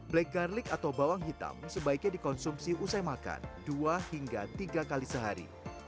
black garlic atau bawang hitam sebaiknya dikonsumsi usai makan dua hingga tiga kali sehari